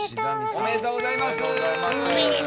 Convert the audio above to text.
おめでとうございます。